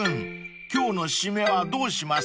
今日の締めはどうします？］